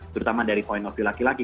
terutama dari poin of view laki laki